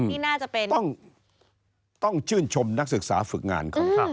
นี่น่าจะเป็นต้องชื่นชมนักศึกษาฝึกงานของท่าน